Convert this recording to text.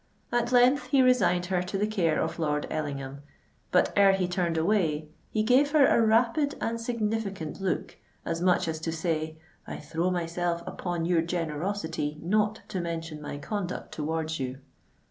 At length he resigned her to the care of Lord Ellingham; but ere he turned away, he gave her a rapid and significant look, as much as to say, "I throw myself upon your generosity not to mention my conduct towards you."